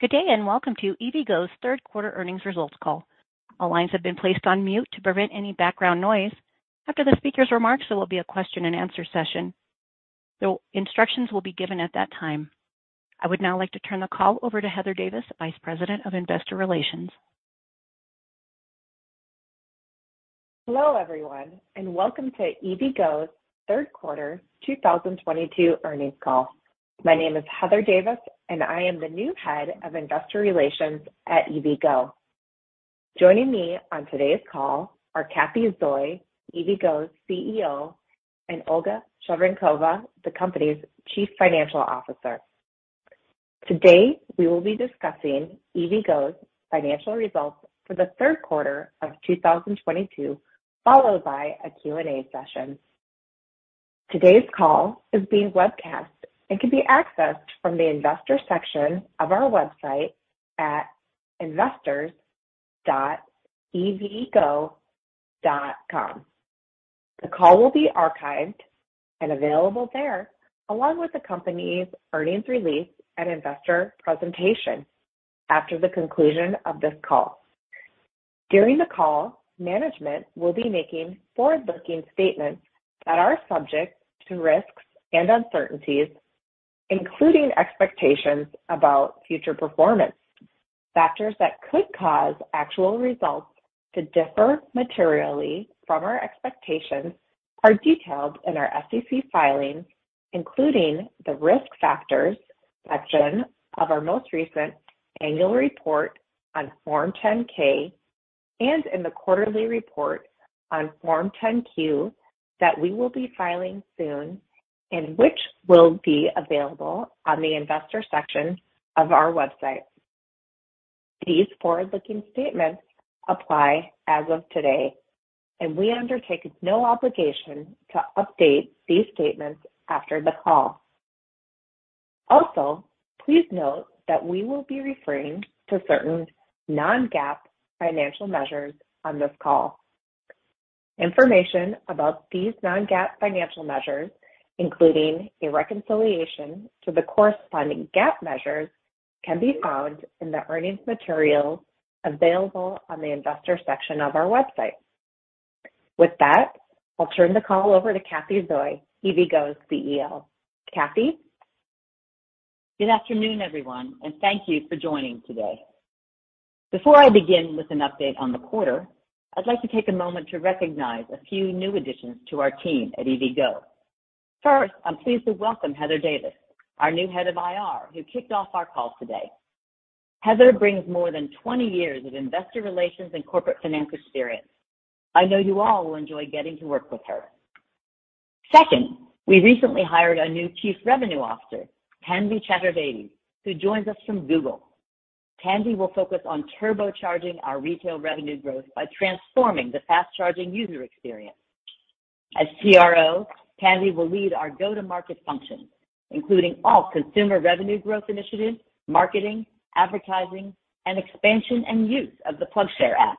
Good day, and welcome to EVgo's third quarter earnings results call. All lines have been placed on mute to prevent any background noise. After the speaker's remarks, there will be a question-and-answer session. The instructions will be given at that time. I would now like to turn the call over to Heather Davis, Vice President of Investor Relations. Hello, everyone, and welcome to EVgo's third quarter 2022 earnings call. My name is Heather Davis, and I am the new Head of Investor Relations at EVgo. Joining me on today's call are Cathy Zoi, EVgo's CEO, and Olga Shevorenkova, the company's Chief Financial Officer. Today, we will be discussing EVgo's financial results for the third quarter of 2022, followed by a Q&A session. Today's call is being webcast and can be accessed from the investor section of our website at investors.evgo.com. The call will be archived and available there along with the company's earnings release and investor presentation after the conclusion of this call. During the call, management will be making forward-looking statements that are subject to risks and uncertainties, including expectations about future performance. Factors that could cause actual results to differ materially from our expectations are detailed in our SEC filings, including the Risk Factors section of our most recent annual report on Form 10-K and in the quarterly report on Form 10-Q that we will be filing soon and which will be available on the investor section of our website. These forward-looking statements apply as of today, and we undertake no obligation to update these statements after the call. Also, please note that we will be referring to certain non-GAAP financial measures on this call. Information about these non-GAAP financial measures, including a reconciliation to the corresponding GAAP measures, can be found in the earnings materials available on the investor section of our website. With that, I'll turn the call over to Cathy Zoi, EVgo's CEO. Cathy. Good afternoon, everyone, and thank you for joining today. Before I begin with an update on the quarter, I'd like to take a moment to recognize a few new additions to our team at EVgo. First, I'm pleased to welcome Heather Davis, our new head of IR, who kicked off our call today. Heather brings more than 20 years of investor relations and corporate finance experience. I know you all will enjoy getting to work with her. Second, we recently hired a new Chief Revenue Officer, Tanvi Chaturvedi, who joins us from Google. Tanvi will focus on turbocharging our retail revenue growth by transforming the fast-charging user experience. As CRO, Tanvi will lead our go-to-market functions, including all consumer revenue growth initiatives, marketing, advertising, and expansion and use of the PlugShare app.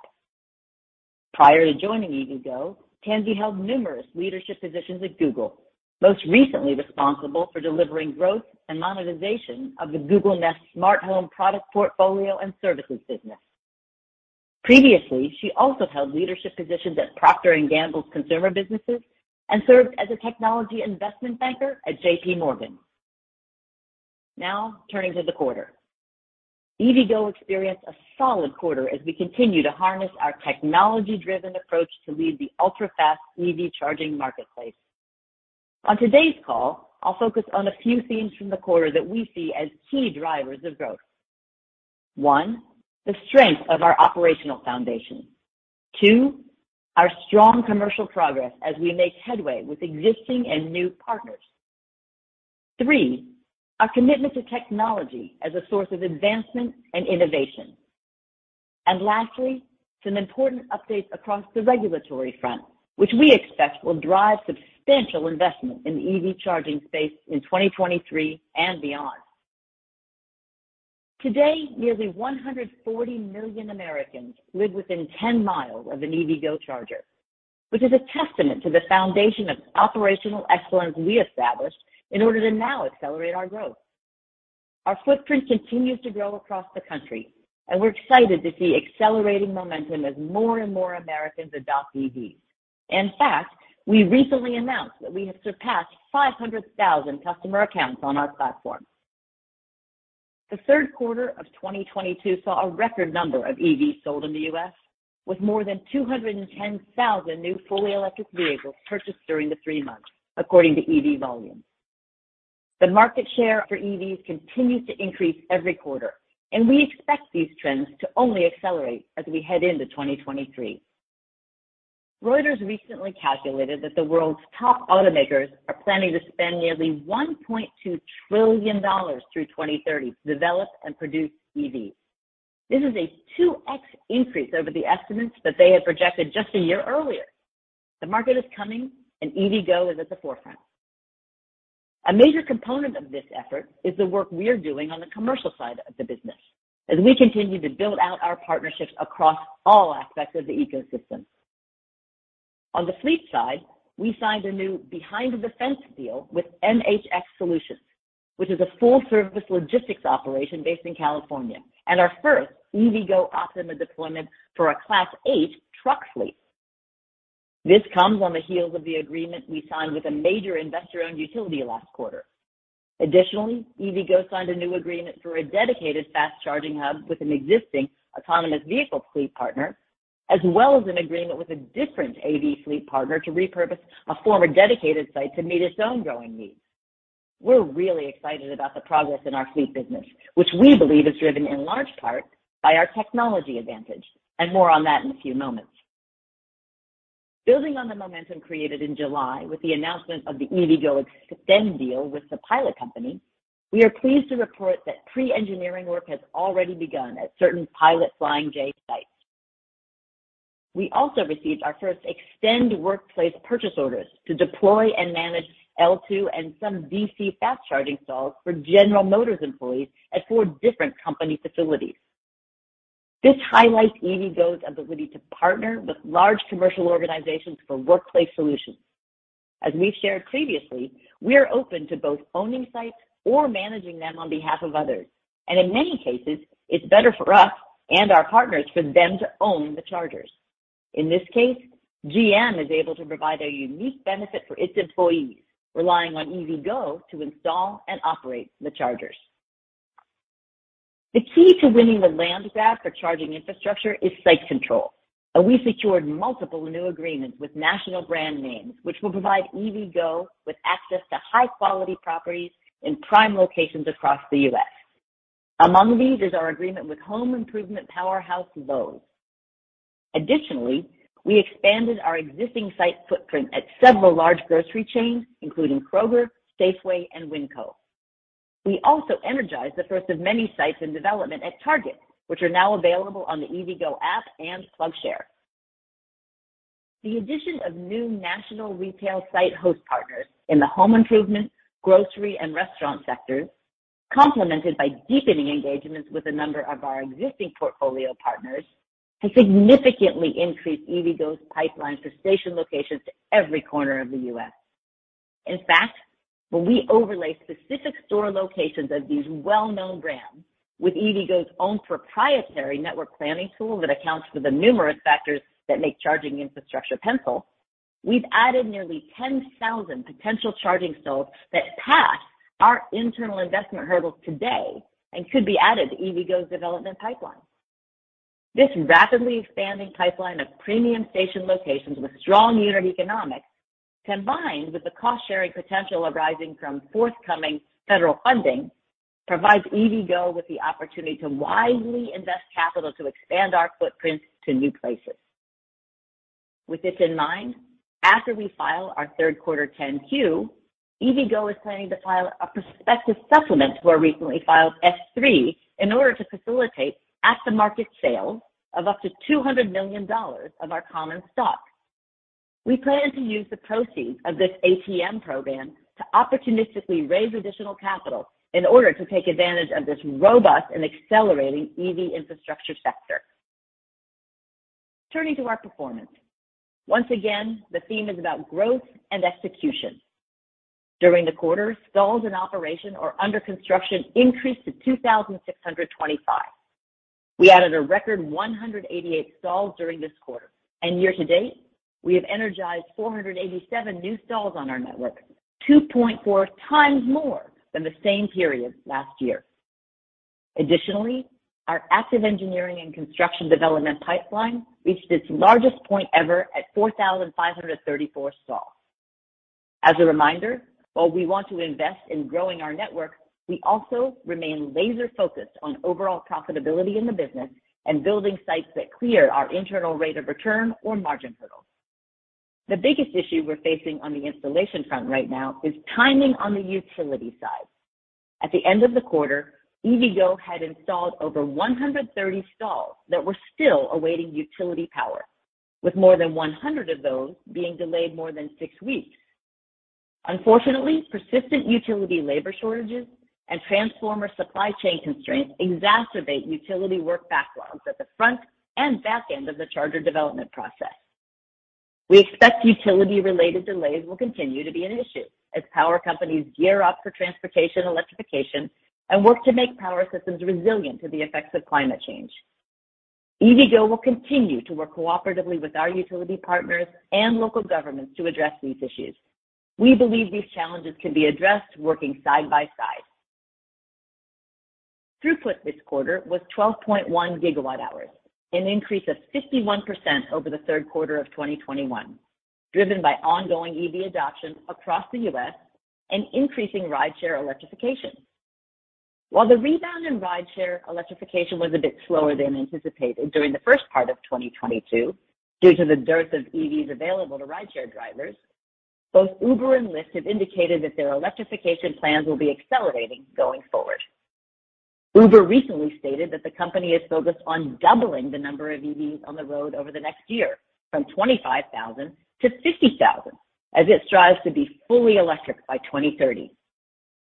Prior to joining EVgo, Tanvi held numerous leadership positions at Google, most recently responsible for delivering growth and monetization of the Google Nest smart home product portfolio and services business. Previously, she also held leadership positions at Procter & Gamble's consumer businesses and served as a technology investment banker at JP Morgan. Now turning to the quarter. EVgo experienced a solid quarter as we continue to harness our technology-driven approach to lead the ultra-fast EV charging marketplace. On today's call, I'll focus on a few themes from the quarter that we see as key drivers of growth. One, the strength of our operational foundation. Two, our strong commercial progress as we make headway with existing and new partners. Three, our commitment to technology as a source of advancement and innovation. Lastly, some important updates across the regulatory front, which we expect will drive substantial investment in the EV charging space in 2023 and beyond. Today, nearly 140 million Americans live within 10 mi of an EVgo charger, which is a testament to the foundation of operational excellence we established in order to now accelerate our growth. Our footprint continues to grow across the country, and we're excited to see accelerating momentum as more and more Americans adopt EVs. In fact, we recently announced that we have surpassed 500,000 customer accounts on our platform. The third quarter of 2022 saw a record number of EVs sold in the U.S., with more than 210,000 new fully electric vehicles purchased during the three months, according to EV-Volumes. The market share for EVs continues to increase every quarter, and we expect these trends to only accelerate as we head into 2023. Reuters recently calculated that the world's top automakers are planning to spend nearly $1.2 trillion through 2030 to develop and produce EVs. This is a 2x increase over the estimates that they had projected just a year earlier. The market is coming, and EVgo is at the forefront. A major component of this effort is the work we are doing on the commercial side of the business as we continue to build out our partnerships across all aspects of the ecosystem. On the fleet side, we signed a new behind-the-fence deal with MHX, LLC, which is a full-service logistics operation based in California, and our first EVgo Optima deployment for a Class 8 truck fleet. This comes on the heels of the agreement we signed with a major investor-owned utility last quarter. Additionally, EVgo signed a new agreement for a dedicated fast charging hub with an existing autonomous vehicle fleet partner, as well as an agreement with a different AV fleet partner to repurpose a former dedicated site to meet its own growing needs. We're really excited about the progress in our fleet business, which we believe is driven in large part by our technology advantage, and more on that in a few moments. Building on the momentum created in July with the announcement of the EVgo eXtend deal with the Pilot Company, we are pleased to report that pre-engineering work has already begun at certain Pilot Flying J sites. We also received our first eXtend Workplace purchase orders to deploy and manage L2 and some DC fast charging stalls for General Motors employees at four different company facilities. This highlights EVgo's ability to partner with large commercial organizations for workplace solutions. As we've shared previously, we are open to both owning sites or managing them on behalf of others, and in many cases, it's better for us and our partners for them to own the chargers. In this case, GM is able to provide a unique benefit for its employees, relying on EVgo to install and operate the chargers. The key to winning the land grab for charging infrastructure is site control. We secured multiple new agreements with national brand names, which will provide EVgo with access to high-quality properties in prime locations across the U.S. Among these is our agreement with home improvement powerhouse Lowe's. Additionally, we expanded our existing site footprint at several large grocery chains, including Kroger, Safeway, and WinCo. We also energized the first of many sites in development at Target, which are now available on the EVgo app and PlugShare. The addition of new national retail site host partners in the home improvement, grocery, and restaurant sectors, complemented by deepening engagements with a number of our existing portfolio partners, has significantly increased EVgo's pipeline for station locations to every corner of the U.S. In fact, when we overlay specific store locations of these well-known brands with EVgo's own proprietary network planning tool that accounts for the numerous factors that make charging infrastructure pencil, we've added nearly 10,000 potential charging stalls that pass our internal investment hurdles today and could be added to EVgo's development pipeline. This rapidly expanding pipeline of premium station locations with strong unit economics, combined with the cost-sharing potential arising from forthcoming federal funding, provides EVgo with the opportunity to wisely invest capital to expand our footprint to new places. With this in mind, after we file our third quarter 10-Q, EVgo is planning to file a prospective supplement to our recently filed S-3 in order to facilitate at-the-market sales of up to $200 million of our common stock. We plan to use the proceeds of this ATM program to opportunistically raise additional capital in order to take advantage of this robust and accelerating EV infrastructure sector. Turning to our performance. Once again, the theme is about growth and execution. During the quarter, stalls in operation or under construction increased to 2,625. We added a record 188 stalls during this quarter. year-to-date, we have energized 487 new stalls on our network, 2.4x more than the same period last year. Additionally, our active engineering and construction development pipeline reached its largest point ever at 4,534 stalls. As a reminder, while we want to invest in growing our network, we also remain laser-focused on overall profitability in the business and building sites that clear our internal rate of return or margin hurdles. The biggest issue we're facing on the installation front right now is timing on the utility side. At the end of the quarter, EVgo had installed over 130 stalls that were still awaiting utility power, with more than 100 of those being delayed more than six weeks. Unfortunately, persistent utility labor shortages and transformer supply chain constraints exacerbate utility work backlogs at the front and back end of the charger development process. We expect utility-related delays will continue to be an issue as power companies gear up for transportation electrification and work to make power systems resilient to the effects of climate change. EVgo will continue to work cooperatively with our utility partners and local governments to address these issues. We believe these challenges can be addressed working side by side. Throughput this quarter was 12.1 GWh, an increase of 51% over the third quarter of 2021, driven by ongoing EV adoption across the U.S. and increasing rideshare electrification. While the rebound in rideshare electrification was a bit slower than anticipated during the first part of 2022 due to the dearth of EVs available to rideshare drivers, both Uber and Lyft have indicated that their electrification plans will be accelerating going forward. Uber recently stated that the company is focused on doubling the number of EVs on the road over the next year from 25,000 to 57,000. As it strives to be fully electric by 2030.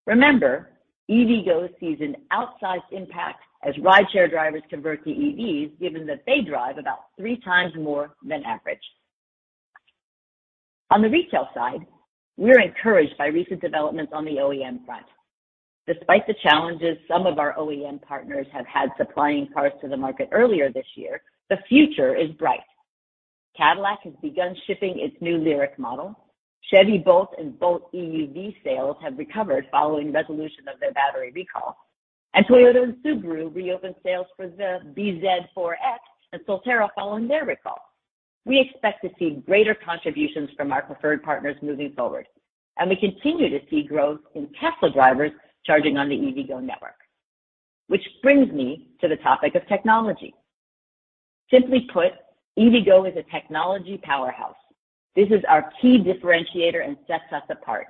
Remember, EVgo sees an outsized impact as rideshare drivers convert to EVs, given that they drive about three times more than average. On the retail side, we're encouraged by recent developments on the OEM front. Despite the challenges some of our OEM partners have had supplying cars to the market earlier this year, the future is bright. Cadillac has begun shipping its new LYRIQ model. Chevy Bolt and Bolt EUV sales have recovered following resolution of their battery recall. Toyota and Subaru reopened sales for the bZ4X and Solterra following their recall. We expect to see greater contributions from our preferred partners moving forward, and we continue to see growth in Tesla drivers charging on the EVgo network. Which brings me to the topic of technology. Simply put, EVgo is a technology powerhouse. This is our key differentiator and sets us apart.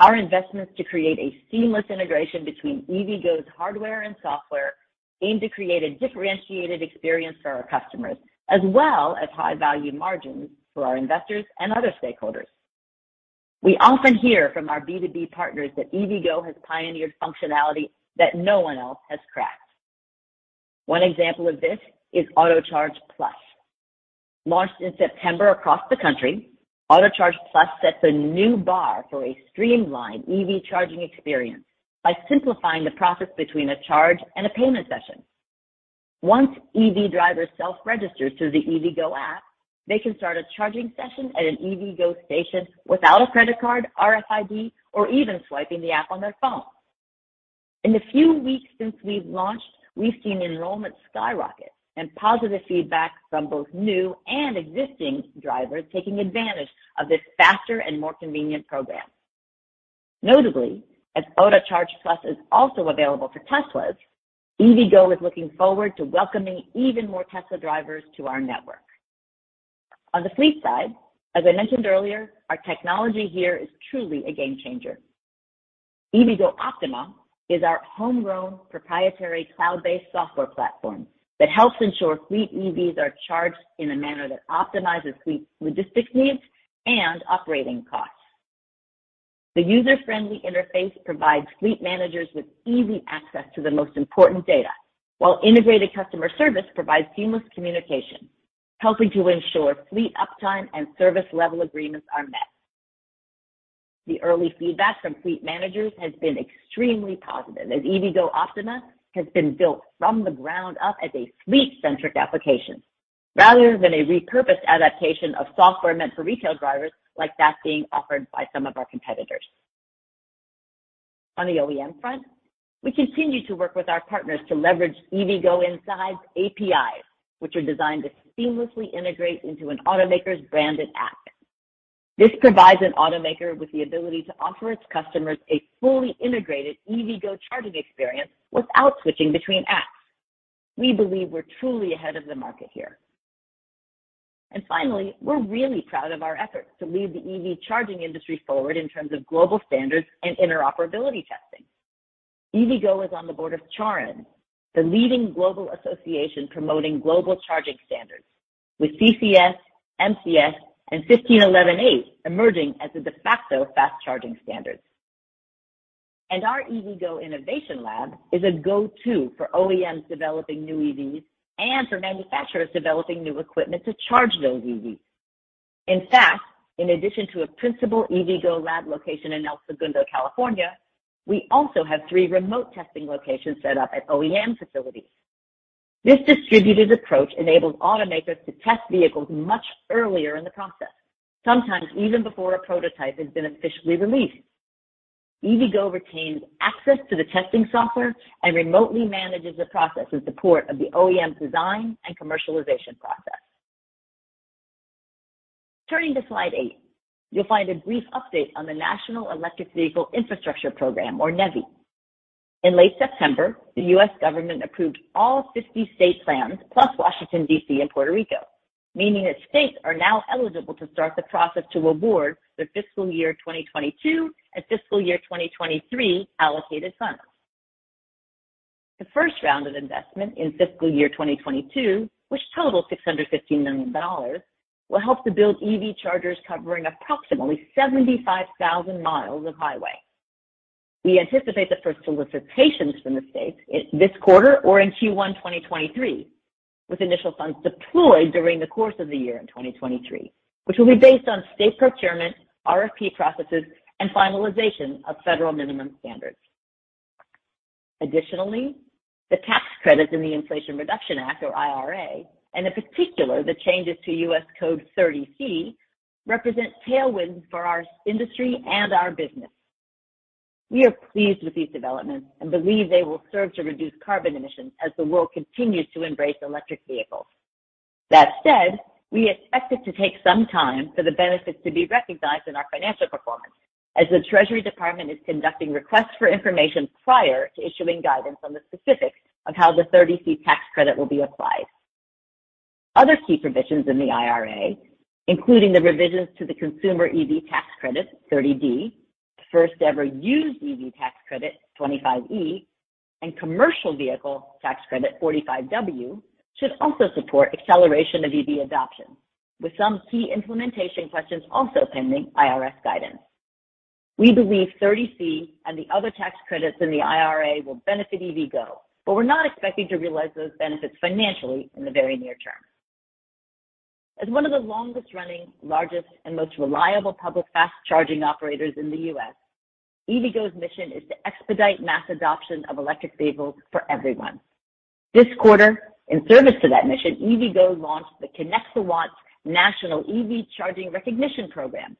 Our investments to create a seamless integration between EVgo's hardware and software aim to create a differentiated experience for our customers, as well as high value margins for our investors and other stakeholders. We often hear from our B2B partners that EVgo has pioneered functionality that no one else has cracked. One example of this is AutoCharge+. Launched in September across the country, Autocharge+ sets a new bar for a streamlined EV charging experience by simplifying the process between a charge and a payment session. Once EV drivers self-register through the EVgo app, they can start a charging session at an EVgo station without a credit card, RFID, or even swiping the app on their phone. In the few weeks since we've launched, we've seen enrollment skyrocket and positive feedback from both new and existing drivers taking advantage of this faster and more convenient program. Notably, as Autocharge+ is also available for Teslas, EVgo is looking forward to welcoming even more Tesla drivers to our network. On the fleet side, as I mentioned earlier, our technology here is truly a game changer. EVgo Optima is our homegrown proprietary cloud-based software platform that helps ensure fleet EVs are charged in a manner that optimizes fleet logistics needs and operating costs. The user-friendly interface provides fleet managers with easy access to the most important data, while integrated customer service provides seamless communication, helping to ensure fleet uptime and service level agreements are met. The early feedback from fleet managers has been extremely positive, as EVgo Optima has been built from the ground up as a fleet-centric application rather than a repurposed adaptation of software meant for retail drivers like that being offered by some of our competitors. On the OEM front, we continue to work with our partners to leverage EVgo Inside's APIs, which are designed to seamlessly integrate into an automaker's branded app. This provides an automaker with the ability to offer its customers a fully integrated EVgo charging experience without switching between apps. We believe we're truly ahead of the market here. Finally, we're really proud of our efforts to lead the EV charging industry forward in terms of global standards and interoperability testing. EVgo is on the board of CharIN, the leading global association promoting global charging standards with CCS, MCS, and ISO 15118 emerging as the de facto fast charging standards. Our EVgo Innovation Lab is a go-to for OEMs developing new EVs and for manufacturers developing new equipment to charge those EVs. In fact, in addition to a principal EVgo lab location in El Segundo, California, we also have three remote testing locations set up at OEM facilities. This distributed approach enables automakers to test vehicles much earlier in the process, sometimes even before a prototype has been officially released. EVgo retains access to the testing software and remotely manages the process in support of the OEM design and commercialization process. Turning to slide eight, you'll find a brief update on the National Electric Vehicle Infrastructure Program, or NEVI. In late September, the U.S. government approved all 50 state plans, plus Washington, D.C. and Puerto Rico, meaning that states are now eligible to start the process to award their fiscal year 2022 and fiscal year 2023 allocated funds. The first round of investment in fiscal year 2022, which totals $615 million, will help to build EV chargers covering approximately 75,000 miles of highway. We anticipate the first solicitations from the states this quarter or in Q1 2023, with initial funds deployed during the course of the year in 2023, which will be based on state procurement, RFP processes, and finalization of federal minimum standards. Additionally, the tax credits in the Inflation Reduction Act, or IRA, and in particular, the changes to U.S. Code 30C, represent tailwinds for our industry and our business. We are pleased with these developments and believe they will serve to reduce carbon emissions as the world continues to embrace electric vehicles. That said, we expect it to take some time for the benefits to be recognized in our financial performance as the Treasury Department is conducting requests for information prior to issuing guidance on the specifics of how the 30C tax credit will be applied. Other key provisions in the IRA, including the revisions to the consumer EV tax credit, 30D, first-ever used EV tax credit, 25E, and commercial vehicle tax credit 45W, should also support acceleration of EV adoption, with some key implementation questions also pending IRS guidance. We believe 30C and the other tax credits in the IRA will benefit EVgo, but we're not expecting to realize those benefits financially in the very near term. As one of the longest-running, largest and most reliable public fast charging operators in the U.S., EVgo's mission is to expedite mass adoption of electric vehicles for everyone. This quarter, in service to that mission, EVgo launched the Connect the Watts National EV Charging Recognition Program.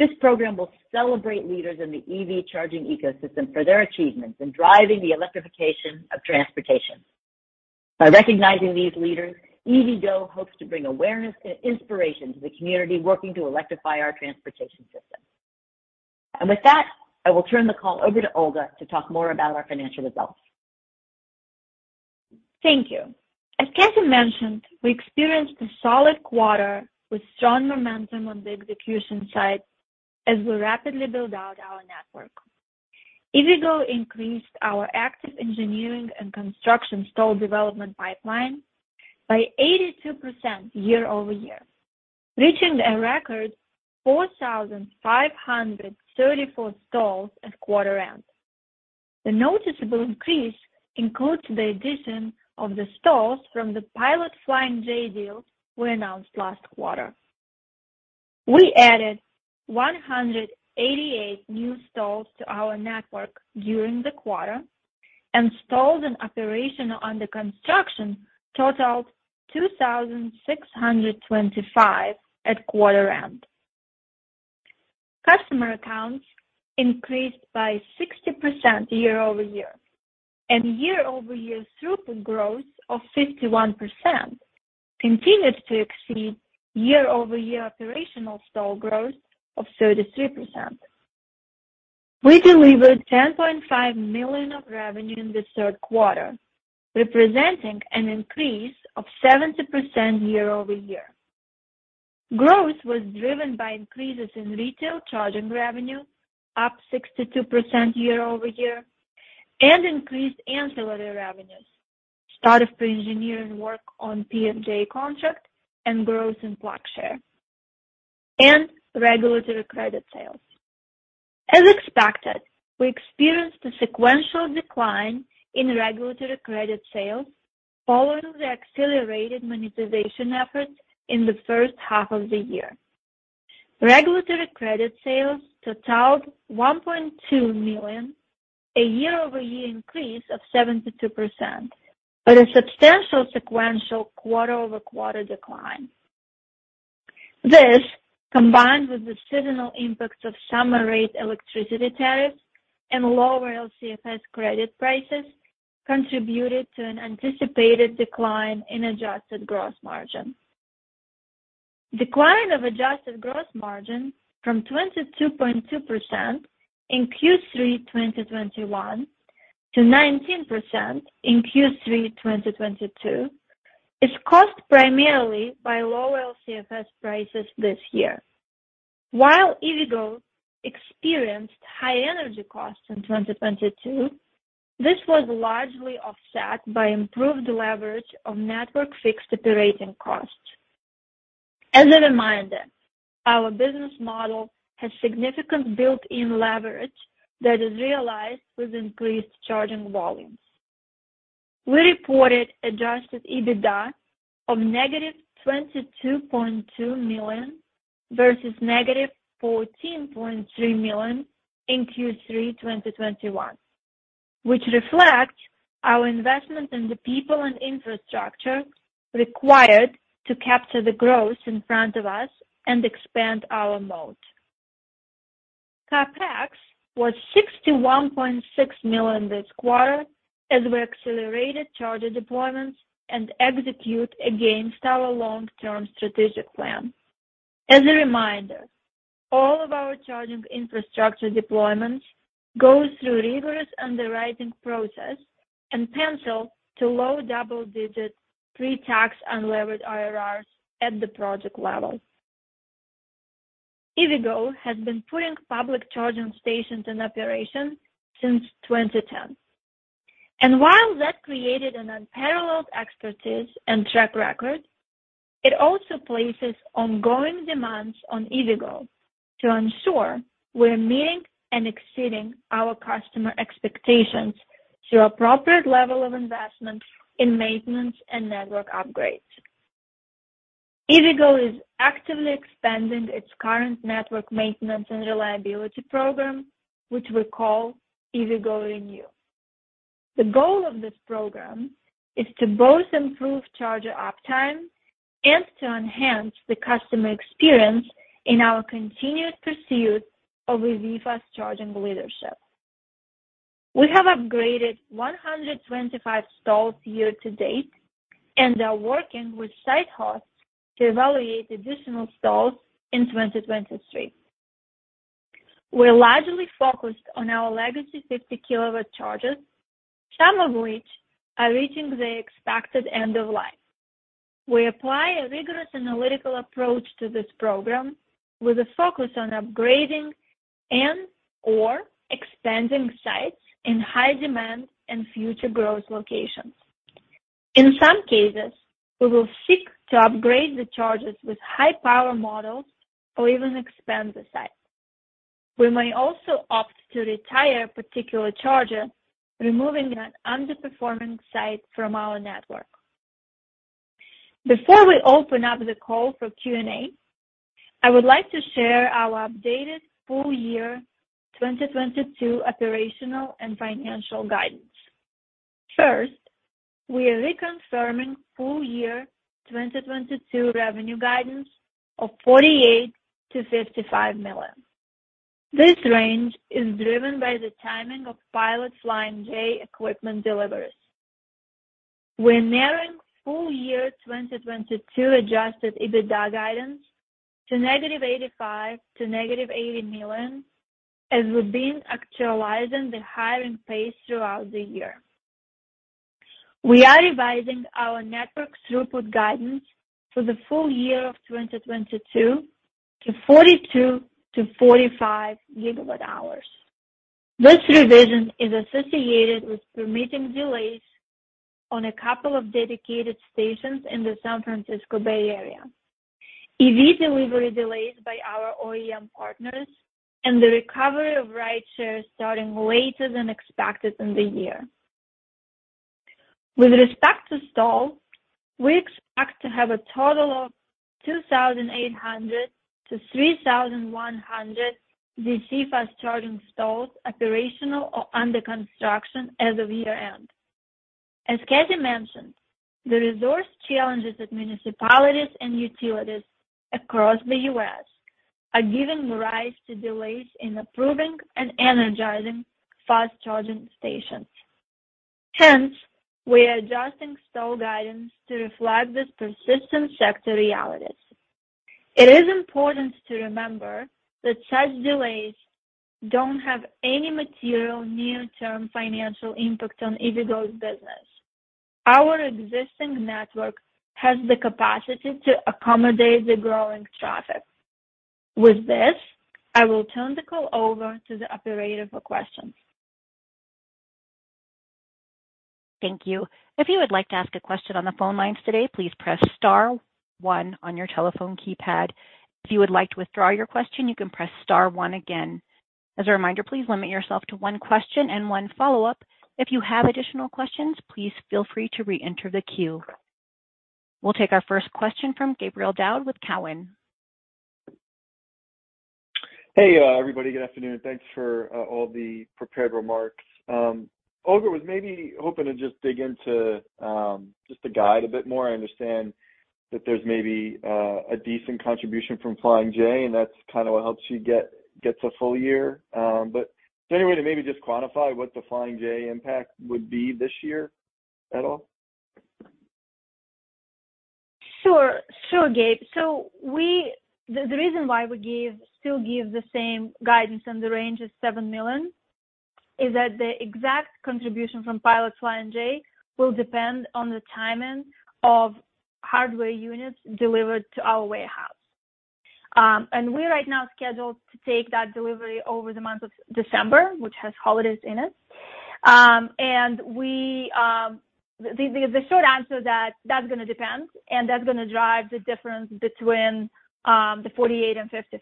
This program will celebrate leaders in the EV charging ecosystem for their achievements in driving the electrification of transportation. By recognizing these leaders, EVgo hopes to bring awareness and inspiration to the community working to electrify our transportation system. With that, I will turn the call over to Olga to talk more about our financial results. Thank you. As Cathy Zoi mentioned, we experienced a solid quarter with strong momentum on the execution side as we rapidly build out our network. EVgo increased our active engineering and construction stall development pipeline by 82% year-over-year, reaching a record 4,534 stalls at quarter end. The noticeable increase includes the addition of the stalls from the Pilot Flying J deal we announced last quarter. We added 188 new stalls to our network during the quarter, and stalls in operation under construction totaled 2,625 at quarter end. Customer accounts increased by 60% year-over-year, and year-over-year throughput growth of 51% continued to exceed year-over-year operational stall growth of 33%. We delivered $10.5 million of revenue in the third quarter, representing an increase of 70% year-over-year. Growth was driven by increases in retail charging revenue, up 62% year-over-year, and increased ancillary revenues, start of pre-engineering work on PFJ contract and growth in PlugShare and regulatory credit sales. As expected, we experienced a sequential decline in regulatory credit sales following the accelerated monetization efforts in the first half of the year. Regulatory credit sales totaled $1.2 million, a year-over-year increase of 72%, but a substantial sequential quarter-over-quarter decline. This, combined with the seasonal impacts of summer rate electricity tariffs and lower LCFS credit prices, contributed to an anticipated decline in adjusted gross margin. Decline of adjusted gross margin from 22.2% in Q3 2021 to 19% in Q3 2022 is caused primarily by lower LCFS prices this year. While EVgo experienced high energy costs in 2022, this was largely offset by improved leverage of network fixed operating costs. As a reminder, our business model has significant built-in leverage that is realized with increased charging volumes. We reported adjusted EBITDA of -$22.2 million versus -$14.3 million in Q3 2021, which reflect our investment in the people and infrastructure required to capture the growth in front of us and expand our mode. CapEx was $61.6 million this quarter as we accelerated charger deployments and execute against our long-term strategic plan. As a reminder, all of our charging infrastructure deployments goes through rigorous underwriting process and pencil to low double-digit pre-tax unlevered IRRs at the project level. EVgo has been putting public charging stations in operation since 2010. While that created an unparalleled expertise and track record, it also places ongoing demands on EVgo to ensure we're meeting and exceeding our customer expectations through appropriate level of investment in maintenance and network upgrades. EVgo is actively expanding its current network maintenance and reliability program, which we call EVgo ReNew. The goal of this program is to both improve charger uptime and to enhance the customer experience in our continued pursuit of EV fast charging leadership. We have upgraded 125 stalls year-to-date and are working with site hosts to evaluate additional stalls in 2023. We're largely focused on our legacy 50 kW chargers, some of which are reaching their expected end of life. We apply a rigorous analytical approach to this program with a focus on upgrading and/or expanding sites in high demand and future growth locations. In some cases, we will seek to upgrade the chargers with high-power models or even expand the site. We may also opt to retire particular charger, removing an underperforming site from our network. Before we open up the call for Q&A, I would like to share our updated full-year 2022 operational and financial guidance. First, we are reconfirming full-year 2022 revenue guidance of $48-$55 million. This range is driven by the timing of Pilot Flying J equipment deliveries. We're narrowing full-year 2022 adjusted EBITDA guidance to -$85 million to -$80 million, as we've been actualizing the hiring pace throughout the year. We are revising our network throughput guidance for the full-year of 2022 to 42 GWh-45 GWh. This revision is associated with permitting delays on a couple of dedicated stations in the San Francisco Bay Area, EV delivery delays by our OEM partners and the recovery of rideshare starting later than expected in the year. With respect to stall, we expect to have a total of 2,800-3,100 DC fast charging stalls operational or under construction as of year-end. Cathy mentioned, the resource challenges that municipalities and utilities across the U.S. are giving rise to delays in approving and energizing fast charging stations. Hence, we are adjusting stall guidance to reflect this persistent sector realities. It is important to remember that such delays don't have any material near-term financial impact on EVgo's business. Our existing network has the capacity to accommodate the growing traffic. With this, I will turn the call over to the operator for questions. Thank you. If you would like to ask a question on the phone lines today, please press star one on your telephone keypad. If you would like to withdraw your question, you can press star one again. As a reminder, please limit yourself to one question and one follow-up. If you have additional questions, please feel free to re-enter the queue. We'll take our first question from Gabriel Daoud with Cowen. Hey, everybody. Good afternoon. Thanks for all the prepared remarks. Olga was maybe hoping to just dig into just the guide a bit more. I understand that there's maybe a decent contribution from Flying J, and that's kind of what helps you get a full-year. Is there any way to maybe just quantify what the Flying J impact would be this year at all? Sure. Sure, Gabe. The reason why we still give the same guidance and the range is $7 million is that the exact contribution from Pilot Flying J will depend on the timing of hardware units delivered to our warehouse. We're right now scheduled to take that delivery over the month of December, which has holidays in it. The short answer is that that's gonna depend, and that's gonna drive the difference between the $48 million-$55 million.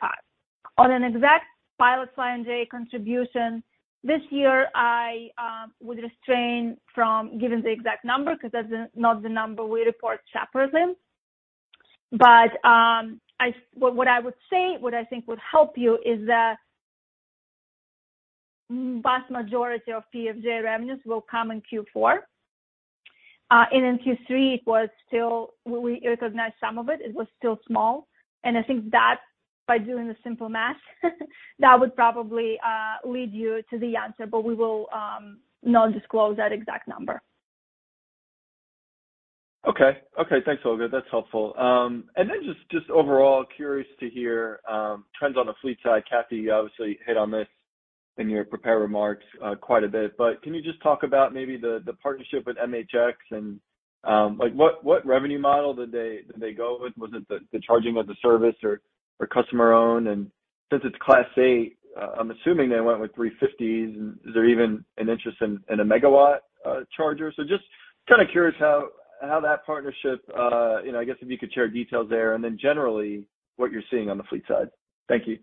On an exact Pilot Flying J contribution this year, I would refrain from giving the exact number because that's not the number we report separately. What I would say, what I think would help you is that vast majority of PFJ revenues will come in Q4. In Q3 we recognized some of it was still small. I think that by doing the simple math, that would probably lead you to the answer. We will not disclose that exact number. Okay. Thanks, Olga. That's helpful. Just overall curious to hear trends on the fleet side. Cathy, you obviously hit on this in your prepared remarks quite a bit, but can you just talk about maybe the partnership with MHX and like what revenue model did they go with? Was it the charging as a service or customer-owned? Since it's Class 8, I'm assuming they went with three-fifties. Is there even an interest in a megawatt charger? Just kinda curious how that partnership you know I guess if you could share details there and then generally what you're seeing on the fleet side. Thank you.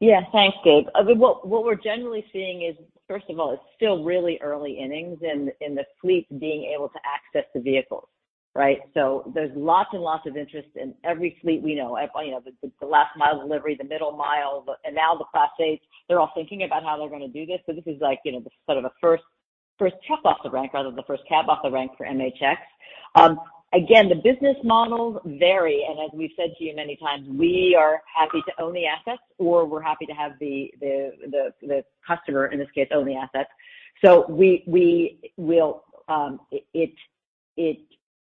Yeah. Thanks, Gabe. What we're generally seeing is, first of all, it's still really early innings in the fleet being able to access the vehicles, right? There's lots and lots of interest in every fleet we know. You know, the last mile delivery, the middle mile, and now the Class 8s, they're all thinking about how they're gonna do this. This is like, you know, the sort of a first check off the rank rather than the first cab off the rank for MHX. Again, the business models vary, and as we've said to you many times, we are happy to own the assets or we're happy to have the customer, in this case, own the assets. We will.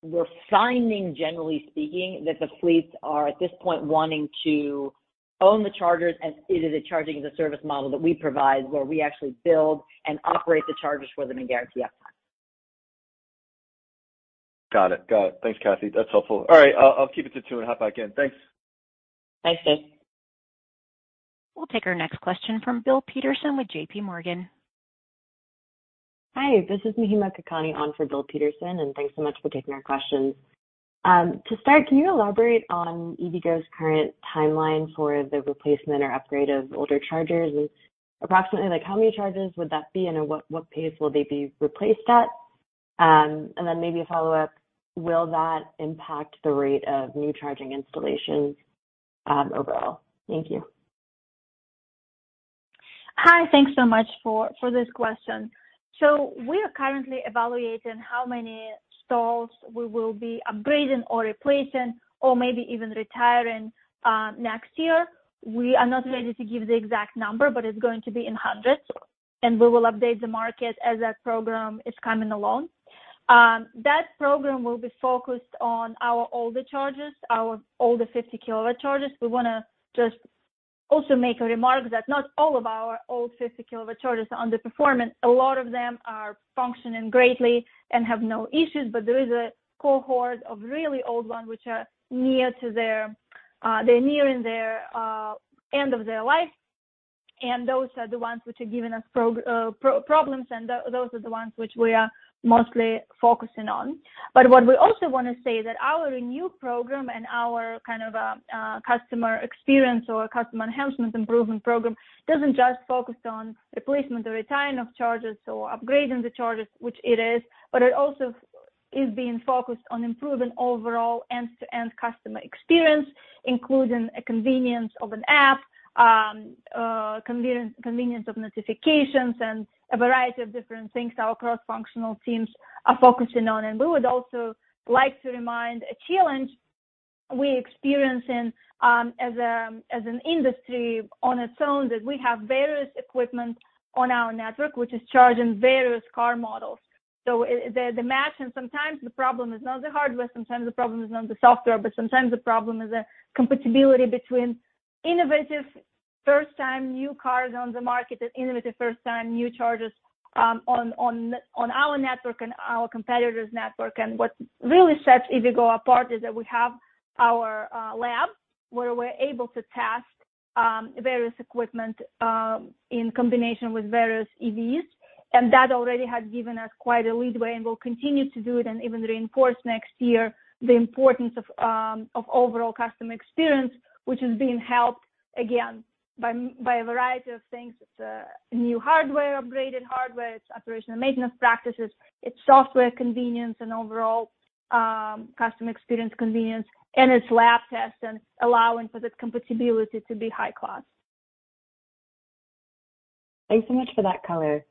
We're finding, generally speaking, that the fleets are at this point wanting to own the chargers and it is a charging as a service model that we provide where we actually build and operate the chargers for them and guarantee uptime. Got it. Thanks, Cathy. That's helpful. All right, I'll keep it to two and hop back in. Thanks. Thanks, Gabe. We'll take our next question from Bill Peterson with JPMorgan. Hi, this is Mahima Kakani on for Bill Peterson, and thanks so much for taking our questions. To start, can you elaborate on EVgo's current timeline for the replacement or upgrade of older chargers? Approximately like how many chargers would that be, and at what pace will they be replaced at? Maybe a follow-up, will that impact the rate of new charging installations, overall? Thank you. Hi, thanks so much for this question. We are currently evaluating how many stalls we will be upgrading or replacing or maybe even retiring next year. We are not ready to give the exact number, but it's going to be in hundreds, and we will update the market as that program is coming along. That program will be focused on our older chargers, our older 50 kW chargers. We wanna just also make a remark that not all of our old 50 kW chargers are underperforming. A lot of them are functioning greatly and have no issues, but there is a cohort of really old ones which they're nearing their end of their life, and those are the ones which are giving us problems, and those are the ones which we are mostly focusing on. What we also wanna say that our ReNew program and our kind of customer experience or customer enhancement improvement program doesn't just focus on replacement or retiring of chargers or upgrading the chargers, which it is, but it also is being focused on improving overall end-to-end customer experience, including a convenience of an app, convenience of notifications and a variety of different things our cross-functional teams are focusing on. We would also like to remind a challenge we experience in as an industry on its own, that we have various equipment on our network, which is charging various car models. The match and sometimes the problem is not the hardware, sometimes the problem is not the software, but sometimes the problem is the compatibility between innovative first time new cars on the market and innovative first time new chargers on our network and our competitors' network. What really sets EVgo apart is that we have our lab where we're able to test various equipment in combination with various EVs. That already has given us quite a leeway and will continue to do it and even reinforce next year the importance of overall customer experience, which is being helped again by a variety of things. It's new hardware, upgraded hardware, it's operational maintenance practices, it's software convenience and overall customer experience convenience, and it's lab tests and allowing for the compatibility to be high class. Thanks so much for that color.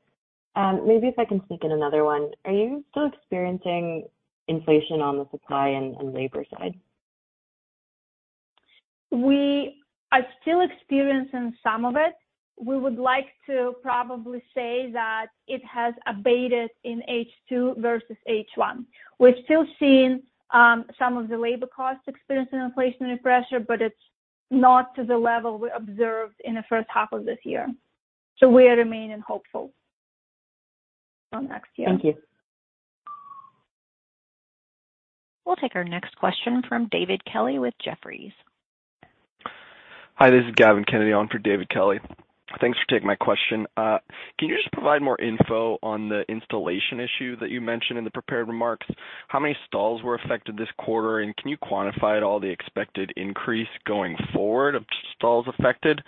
Maybe if I can sneak in another one. Are you still experiencing inflation on the supply and labor side? We are still experiencing some of it. We would like to probably say that it has abated in H2 versus H1. We're still seeing, some of the labor costs experiencing inflationary pressure, but it's not to the level we observed in the first half of this year. We are remaining hopeful for next year. Thank you. We'll take our next question from David Kelley with Jefferies. Hi, this is Gavin Kennedy on for David Kelley. Thanks for taking my question. Can you just provide more info on the installation issue that you mentioned in the prepared remarks? How many stalls were affected this quarter, and can you quantify at all the expected increase going forward of stalls affected?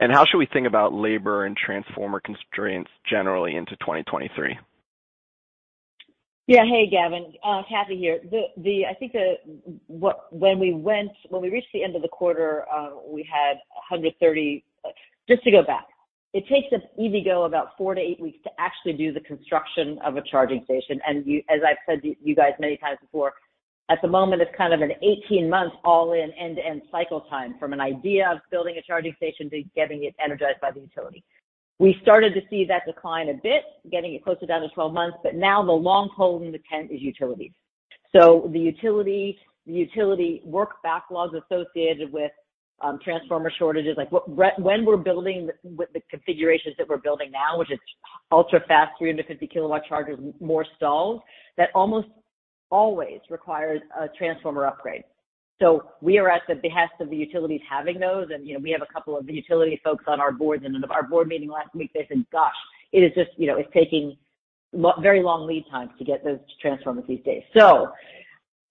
How should we think about labor and transformer constraints generally into 2023? Hey, Gavin, Cathy Zoi here. When we reached the end of the quarter, we had 130. Just to go back, it takes EVgo about four to eight weeks to actually do the construction of a charging station. As I've said to you guys many times before, at the moment it's kind of an 18 month all-in end-to-end cycle time from an idea of building a charging station to getting it energized by the utility. We started to see that decline a bit, getting it closer down to 12 months, but now the long pole in the tent is utilities. The utility work backlogs associated with transformer shortages. Like, when we're building the configurations that we're building now, which is ultra-fast 350-kilowatt chargers, more stalls, that almost always requires a transformer upgrade. We are at the behest of the utilities having those. You know, we have a couple of utility folks on our boards, and at our board meeting last week they said, "Gosh, it is just. You know, it's taking very long lead times to get those transformers these days."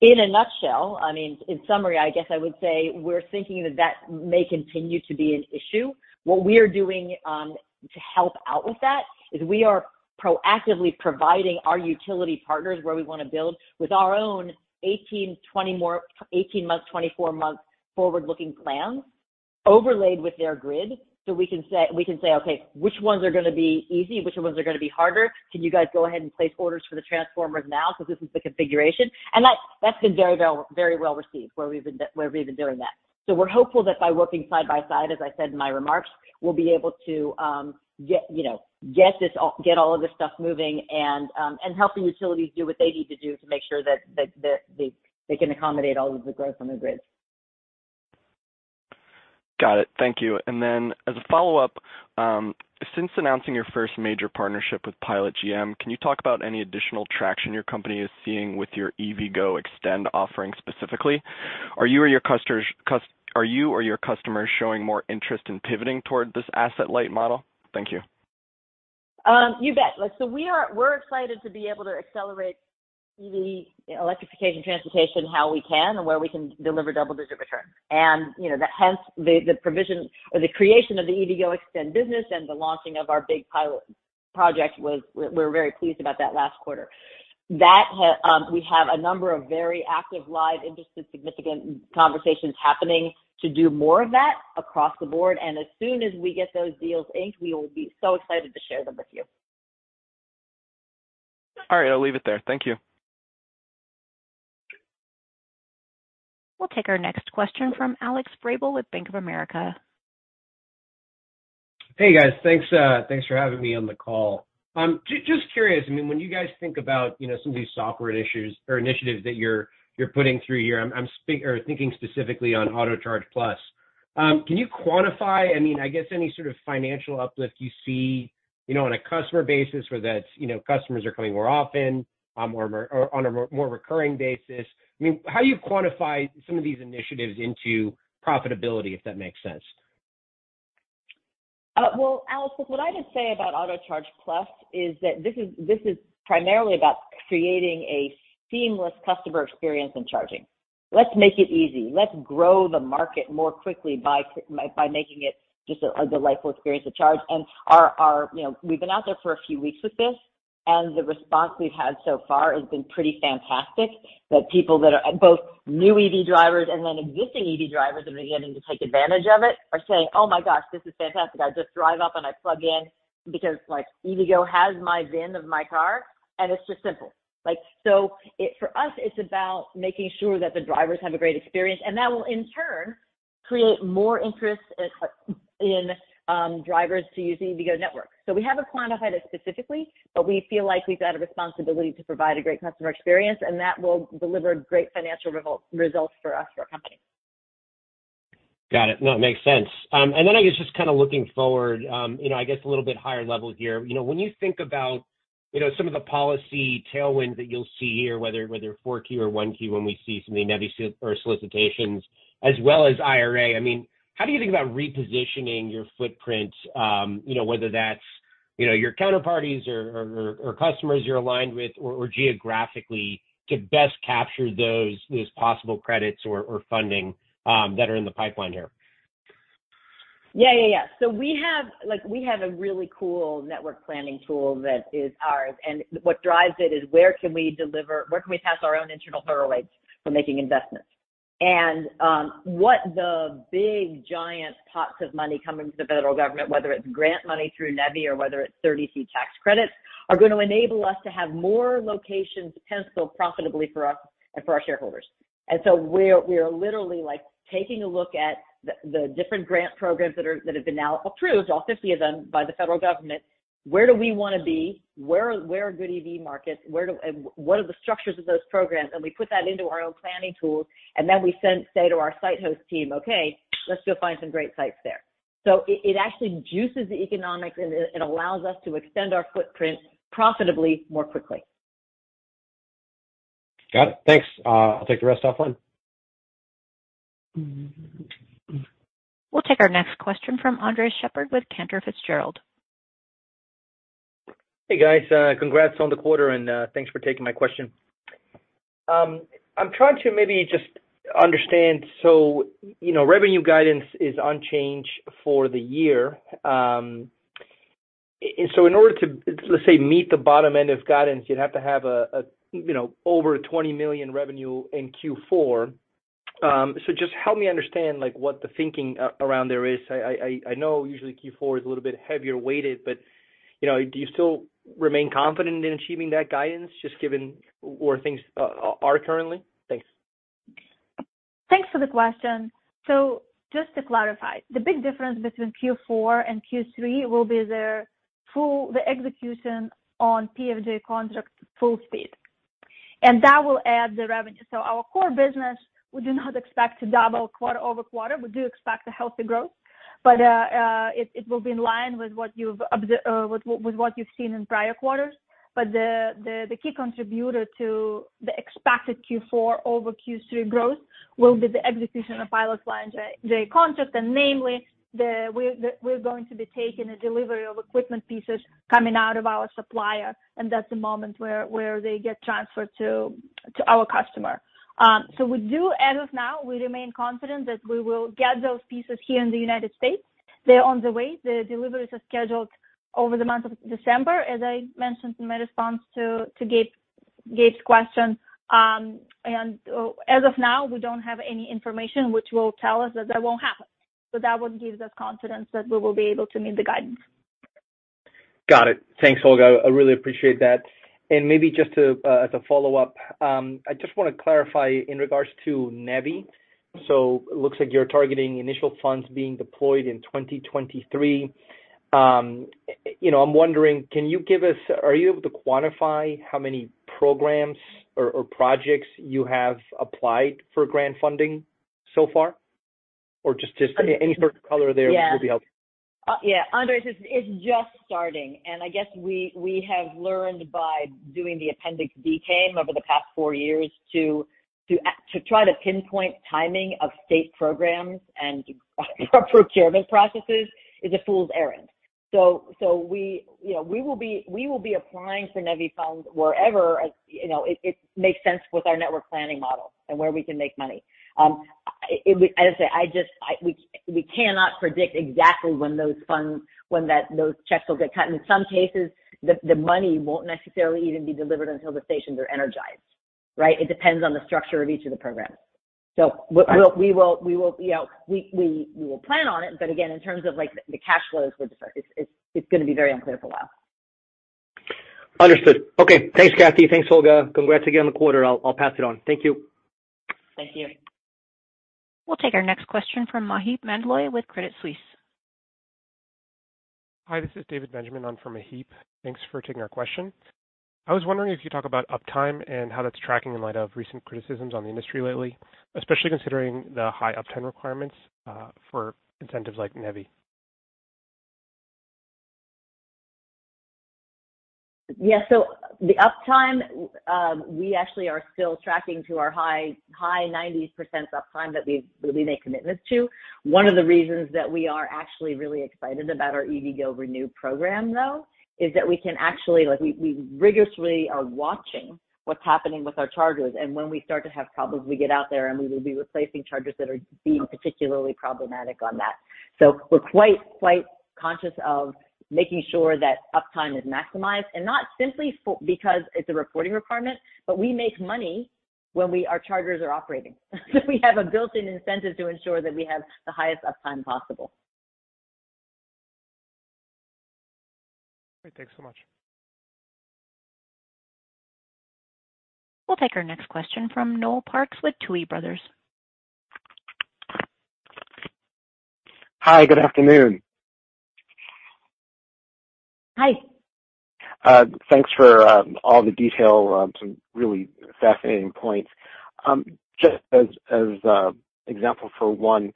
In a nutshell, I mean, in summary, I guess I would say we're thinking that that may continue to be an issue. What we are doing to help out with that is we are proactively providing our utility partners where we wanna build with our own 18 month, 24 month forward-looking plans overlaid with their grid. We can say, okay, which ones are gonna be easy? Which ones are gonna be harder? Can you guys go ahead and place orders for the transformers now because this is the configuration? That's been very well received where we've been doing that. We're hopeful that by working side by side, as I said in my remarks, we'll be able to get, you know, get all of this stuff moving and help the utilities do what they need to do to make sure that they can accommodate all of the growth on the grid. Got it. Thank you. As a follow-up, since announcing your first major partnership with Pilot and GM, can you talk about any additional traction your company is seeing with your EVgo eXtend offering specifically? Are you or your customers showing more interest in pivoting toward this asset-light model? Thank you. You bet. We're excited to be able to accelerate EV electrification transportation how we can and where we can deliver double-digit returns. You know, hence the provision or the creation of the EVgo eXtend business and the launching of our big pilot project. We're very pleased about that last quarter. That we have a number of very active, live, interested, significant conversations happening to do more of that across the board. As soon as we get those deals inked, we will be so excited to share them with you. All right, I'll leave it there. Thank you. We'll take our next question from Alex Vrabel with Bank of America. Hey, guys. Thanks, thanks for having me on the call. Just curious, I mean, when you guys think about, you know, some of these software issues or initiatives that you're putting through here, I'm thinking specifically on Autocharge+. Can you quantify, I mean, I guess any sort of financial uplift you see, you know, on a customer basis where that's, you know, customers are coming more often or on a more recurring basis? I mean, how do you quantify some of these initiatives into profitability, if that makes sense? Well, Alex, look, what I would say about Autocharge+ is that this is primarily about creating a seamless customer experience in charging. Let's make it easy. Let's grow the market more quickly by making it just a delightful experience to charge. Our, you know, we've been out there for a few weeks with this, and the response we've had so far has been pretty fantastic, that people that are both new EV drivers and then existing EV drivers that are beginning to take advantage of it are saying, "Oh my gosh, this is fantastic. I just drive up and I plug in because, like, EVgo has my VIN of my car, and it's just simple." Like, for us, it's about making sure that the drivers have a great experience, and that will in turn create more interest in, drivers to use the EVgo network. We haven't quantified it specifically, but we feel like we've got a responsibility to provide a great customer experience, and that will deliver great financial results for us, for our company. Got it. No, it makes sense. I guess just kind of looking forward, you know, I guess a little bit higher level here. You know, when you think about, you know, some of the policy tailwinds that you'll see here, whether Q4 or Q1, when we see some of the NEVI solicitations as well as IRA, I mean, how do you think about repositioning your footprint, you know, whether that's, you know, your counterparties or customers you're aligned with or geographically to best capture those possible credits or funding that are in the pipeline here? Yeah, yeah. We have like a really cool network planning tool that is ours, and what drives it is where can we pass our own internal hurdle rates for making investments? What the big giant pots of money coming from the federal government, whether it's grant money through NEVI or whether it's 30C tax credits, are gonna enable us to have more locations pencil profitably for us and for our shareholders. We are literally like taking a look at the different grant programs that have been now approved, all 50 of them, by the federal government. Where do we wanna be? Where are good EV markets? What are the structures of those programs? We put that into our own planning tools, and then we send, say, to our site host team, "Okay, let's go find some great sites there." It actually juices the economics and it allows us to extend our footprint profitably more quickly. Got it. Thanks. I'll take the rest offline. Mm-hmm. We'll take our next question from Andres Sheppard with Cantor Fitzgerald. Hey, guys. Congrats on the quarter, and thanks for taking my question. I'm trying to maybe just understand. You know, revenue guidance is unchanged for the year. In order to, let's say, meet the bottom end of guidance, you'd have to have you know, over $20 million revenue in Q4. Just help me understand, like, what the thinking around there is. I know usually Q4 is a little bit heavier weighted, but you know, do you still remain confident in achieving that guidance just given where things are currently? Thanks. Thanks for the question. Just to clarify, the big difference between Q4 and Q3 will be the execution on Pilot Flying J contract full speed, and that will add the revenue. Our core business, we do not expect to double quarter over quarter. We do expect a healthy growth, but it will be in line with what you've seen in prior quarters. The key contributor to the expected Q4 over Q3 growth will be the execution of Pilot Flying J contract. Namely, we're going to be taking a delivery of equipment pieces coming out of our supplier, and that's the moment where they get transferred to our customer. We do as of now, we remain confident that we will get those pieces here in the United States. They're on the way. The deliveries are scheduled over the month of December, as I mentioned in my response to Gabe's question. As of now, we don't have any information which will tell us that won't happen. That would give us confidence that we will be able to meet the guidance. Got it. Thanks, Olga. I really appreciate that. Maybe just to, as a follow-up, I just wanna clarify in regards to NEVI. Looks like you're targeting initial funds being deployed in 2023. You know, I'm wondering, are you able to quantify how many programs or projects you have applied for grant funding so far? Or just any further color there would be helpful. Yeah. Andres, it's just starting. I guess we have learned by doing the Appendix D game over the past four years to try to pinpoint timing of state programs and procurement processes is a fool's errand. We, you know, will be applying for NEVI funds wherever, you know, it makes sense with our network planning model and where we can make money. As I say, we cannot predict exactly when those funds, those checks will get cut. In some cases, the money won't necessarily even be delivered until the stations are energized, right? It depends on the structure of each of the programs. We will plan on it, but again, in terms of like the cash flows, we're different. It's gonna be very unclear for a while. Understood. Okay. Thanks, Cathy. Thanks, Olga. Congrats again on the quarter. I'll pass it on. Thank you. Thank you. We'll take our next question from Maheep Mandloi with Credit Suisse. Hi, this is David Benjamin. I'm from Maheep. Thanks for taking our question. I was wondering if you talk about uptime and how that's tracking in light of recent criticisms on the industry lately, especially considering the high uptime requirements for incentives like NEVI. Yeah. The uptime, we actually are still tracking to our high 90% uptime that we make commitments to. One of the reasons that we are actually really excited about our EVgo ReNew program, though, is that we can actually rigorously are watching what's happening with our chargers, and when we start to have problems, we get out there, and we will be replacing chargers that are being particularly problematic on that. We're quite conscious of making sure that uptime is maximized, and not simply because it's a reporting requirement, but we make money when our chargers are operating. We have a built-in incentive to ensure that we have the highest uptime possible. Great. Thanks so much. We'll take our next question from Noel Parks with Tuohy Brothers. Hi, good afternoon. Hi. Thanks for all the detail, some really fascinating points. Just as an example, for one,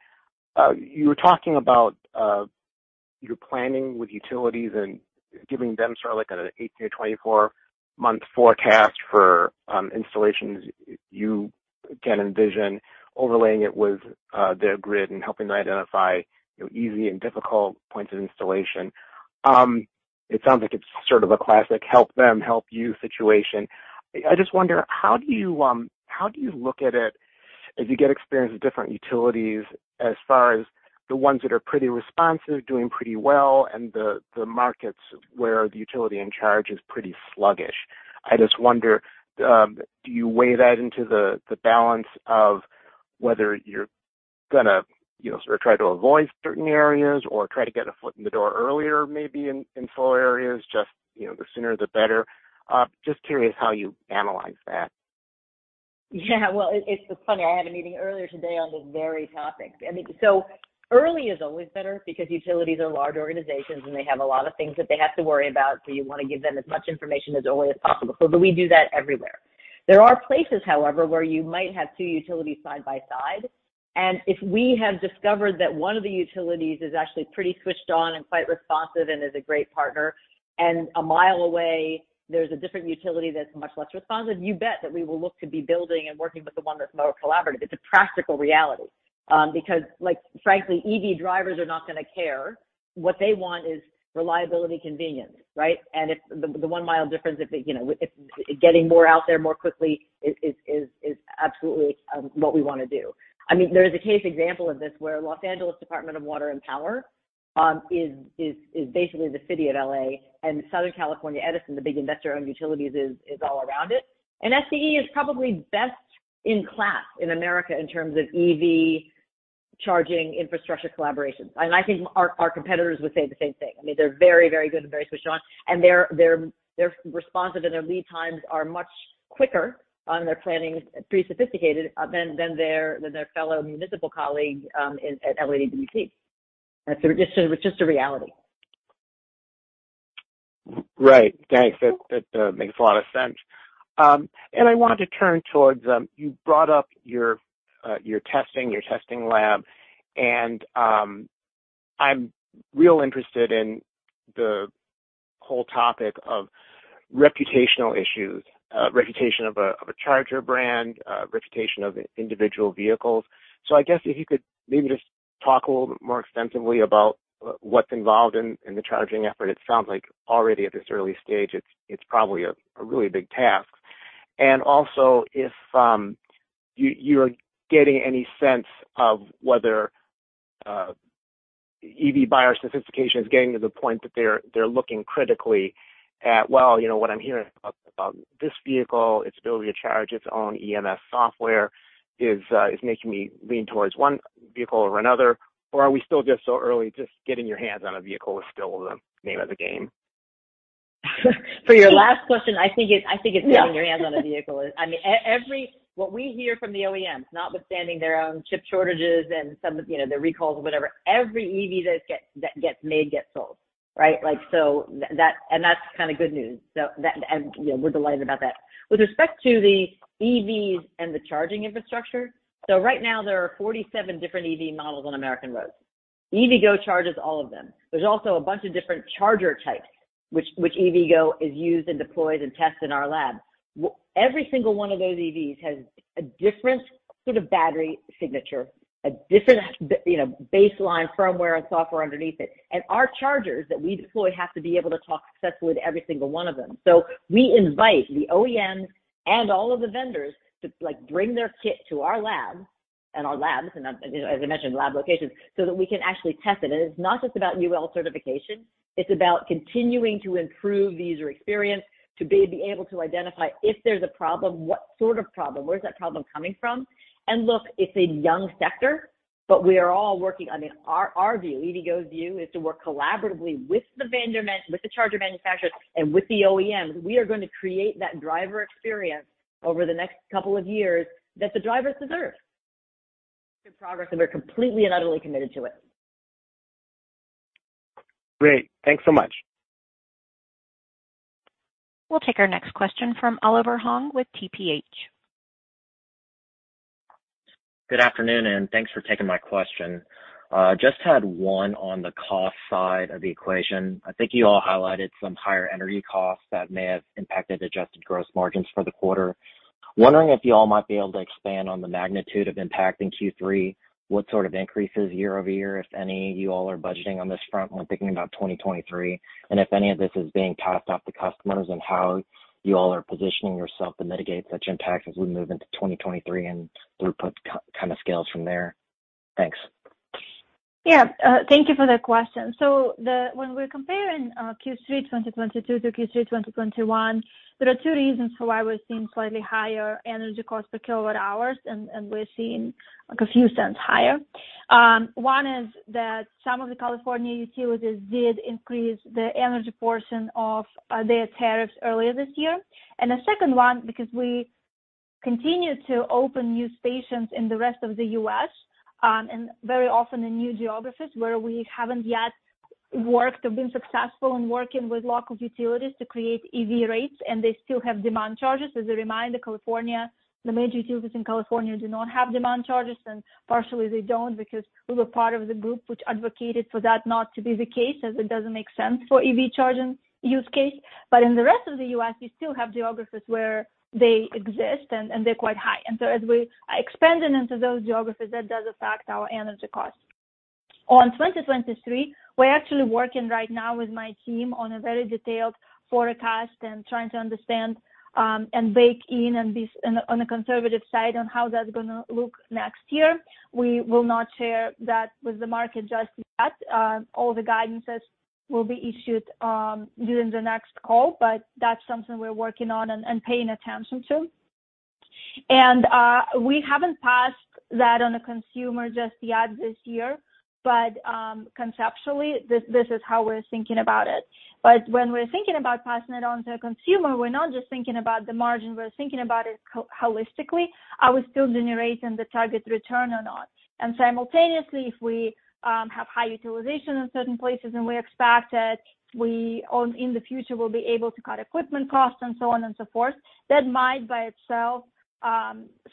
you were talking about you're planning with utilities and giving them sort of like an 18-24 month forecast for installations you can envision overlaying it with their grid and helping them identify, you know, easy and difficult points of installation. It sounds like it's sort of a classic help them help you situation. I just wonder how do you look at it as you get experience with different utilities as far as the ones that are pretty responsive, doing pretty well, and the markets where the utility in charge is pretty sluggish. I just wonder, do you weigh that into the balance of whether you're gonna, you know, sort of try to avoid certain areas or try to get a foot in the door earlier, maybe in slower areas, just, you know, the sooner the better? Just curious how you analyze that. Yeah. Well, it's funny, I had a meeting earlier today on this very topic. I mean, early is always better because utilities are large organizations, and they have a lot of things that they have to worry about, so you wanna give them as much information as early as possible. We do that everywhere. There are places, however, where you might have two utilities side by side, and if we have discovered that one of the utilities is actually pretty switched on and quite responsive and is a great partner, and a mile away, there's a different utility that's much less responsive, you bet that we will look to be building and working with the one that's more collaborative. It's a practical reality, because, like, frankly, EV drivers are not gonna care. What they want is reliability, convenience, right? If the one mile difference, you know, if getting more out there more quickly is absolutely what we wanna do. I mean, there is a case example of this where Los Angeles Department of Water and Power is basically the city of L.A. and Southern California Edison, the big investor-owned utilities is all around it. SCE is probably best in class in America in terms of EV charging infrastructure collaboration. I think our competitors would say the same thing. I mean, they're very good and very switched on, and they're responsive, and their lead times are much quicker on their planning, pretty sophisticated than their fellow municipal colleagues at LADWP. It's just a reality. Right. Thanks. That makes a lot of sense. I wanted to turn towards you brought up your testing lab, and I'm real interested in the whole topic of reputational issues, reputation of a charger brand, reputation of individual vehicles. I guess if you could maybe just talk a little bit more extensively about what's involved in the charging effort. It sounds like already at this early stage, it's probably a really big task. Also, if you're getting any sense of whether EV buyer sophistication is getting to the point that they're looking critically at, well, you know what I'm hearing about this vehicle, its ability to charge its own BMS software is making me lean towards one vehicle over another. Are we still just so early, just getting your hands on a vehicle is still the name of the game? For your last question, I think it's getting your hands on a vehicle. I mean, what we hear from the OEMs, notwithstanding their own chip shortages and some of, you know, the recalls or whatever, every EV that gets made gets sold, right? Like, and that's kinda good news. You know, we're delighted about that. With respect to the EVs and the charging infrastructure, so right now there are 47 different EV models on American roads. EVgo charges all of them. There's also a bunch of different charger types which EVgo uses and deploys and tests in our lab. Every single one of those EVs has a different sort of battery signature, a different, you know, baseline firmware and software underneath it. Our chargers that we deploy have to be able to talk successfully with every single one of them. We invite the OEMs and all of the vendors to, like, bring their kit to our lab and our labs, and, you know, as I mentioned, lab locations, so that we can actually test it. It's not just about UL certification, it's about continuing to improve the user experience, to be able to identify if there's a problem, what sort of problem, where's that problem coming from. Look, it's a young sector, but we are all working. I mean, our view, EVgo's view is to work collaboratively with the charger manufacturers and with the OEMs. We are going to create that driver experience over the next couple of years that the drivers deserve. Good progress, we're completely and utterly committed to it. Great. Thanks so much. We'll take our next question from Oliver Huang with TPH. Good afternoon, and thanks for taking my question. Just had one on the cost side of the equation. I think you all highlighted some higher energy costs that may have impacted adjusted gross margins for the quarter. Wondering if you all might be able to expand on the magnitude of impact in Q3, what sort of increases year-over-year, if any, you all are budgeting on this front when thinking about 2023, and if any of this is being passed off to customers and how you all are positioning yourself to mitigate such impacts as we move into 2023 and throughput kind of scales from there. Thanks. Yeah. Thank you for that question. When we're comparing Q3 2022 to Q3 2021, there are two reasons for why we're seeing slightly higher energy costs per kilowatt-hour, and we're seeing like a few cents higher. One is that some of the California utilities did increase the energy portion of their tariffs earlier this year. The second one, because we continue to open new stations in the rest of the U.S., and very often in new geographies where we haven't yet worked or been successful in working with local utilities to create EV rates, and they still have demand charges. As a reminder, California, the major utilities in California do not have demand charges, and partially they don't because we were part of the group which advocated for that not to be the case, as it doesn't make sense for EV charging use case. In the rest of the U.S., we still have geographies where they exist and they're quite high. As we are expanding into those geographies, that does affect our energy costs. In 2023, we're actually working right now with my team on a very detailed forecast and trying to understand and bake in on this on a conservative side on how that's gonna look next year. We will not share that with the market just yet. All the guidances will be issued during the next call, but that's something we're working on and paying attention to. We haven't passed that on to the consumer just yet this year, but conceptually this is how we're thinking about it. When we're thinking about passing it on to a consumer, we're not just thinking about the margin, we're thinking about it holistically. Are we still generating the target return or not? Simultaneously, if we have high utilization in certain places and we expect that in the future we will be able to cut equipment costs and so on and so forth, that might by itself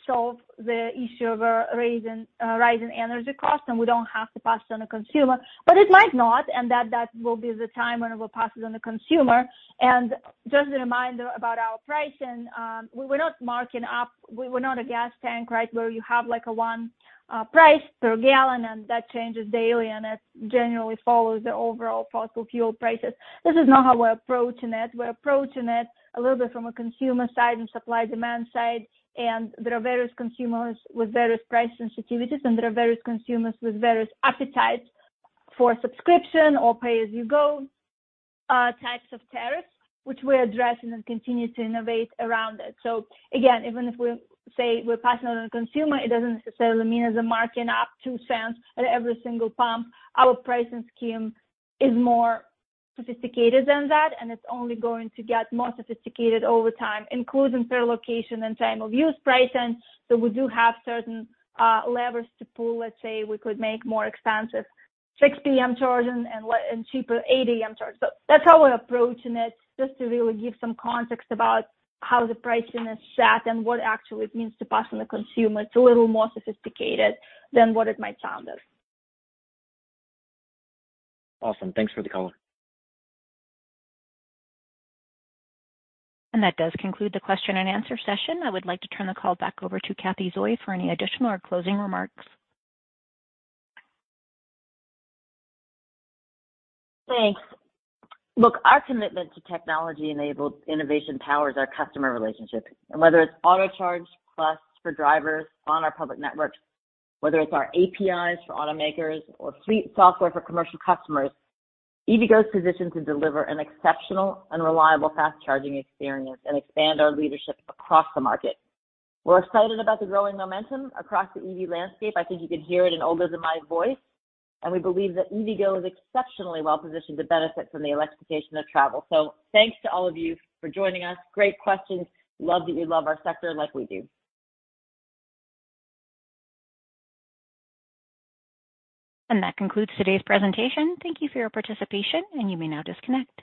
solve the issue of a rising energy cost, and we don't have to pass it on to consumer. It might not, and that will be the time when we'll pass it on to consumer. Just a reminder about our pricing, we were not marking up, We were not a gas tank, right, where you have like a one price per gallon and that changes daily and it generally follows the overall fossil fuel prices. This is not how we're approaching it. We're approaching it a little bit from a consumer side and supply-demand side, and there are various consumers with various price sensitivities, and there are various consumers with various appetites for subscription or pay-as-you-go types of tariffs, which we're addressing and continue to innovate around it. Again, even if we say we're passing on to consumer, it doesn't necessarily mean as a markup of $0.02 at every single pump. Our pricing scheme is more sophisticated than that, and it's only going to get more sophisticated over time, including per location and time of use pricing. We do have certain levers to pull. Let's say we could make more expensive 6 P.M. charging and cheaper 8 A.M. charge. That's how we're approaching it, just to really give some context about how the pricing is set and what actually it means to pass on the consumer. It's a little more sophisticated than what it might sound as. Awesome. Thanks for the color. That does conclude the question and answer session. I would like to turn the call back over to Cathy Zoi for any additional or closing remarks. Thanks. Look, our commitment to technology-enabled innovation powers our customer relationship. Whether it's AutoCharge+ for drivers on our public networks, whether it's our APIs for automakers or fleet software for commercial customers, EVgo's positioned to deliver an exceptional and reliable fast-charging experience and expand our leadership across the market. We're excited about the growing momentum across the EV landscape. I think you can hear it in Olga's and my voice, and we believe that EVgo is exceptionally well positioned to benefit from the electrification of travel. Thanks to all of you for joining us. Great questions. Love that you love our sector like we do. That concludes today's presentation. Thank you for your participation, and you may now disconnect.